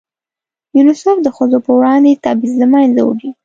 یونیسف د ښځو په وړاندې تبعیض له منځه وړي.